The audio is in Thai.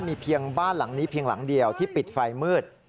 มีเพียงบ้านหลังนี้เพียงหลังเดียวที่ปิดไฟมืด